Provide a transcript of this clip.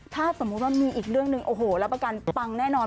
ถ้าสมมุติว่ามีอีกเรื่องหนึ่งโอ้โหรับประกันปังแน่นอน